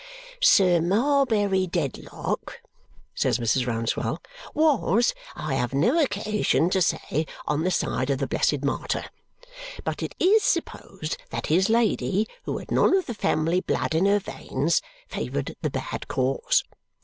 "Sir Morbury Dedlock," says Mrs. Rouncewell, "was, I have no occasion to say, on the side of the blessed martyr. But it IS supposed that his Lady, who had none of the family blood in her veins, favoured the bad cause.